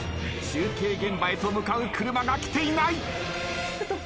中継現場へと向かう車が来ていない。